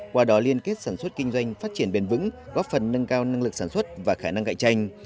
qua đó liên kết sản xuất kinh doanh phát triển bền vững góp phần nâng cao năng lực sản xuất và khả năng cạnh tranh